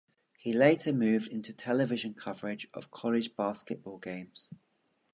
He later moved into television coverage of college basketball games.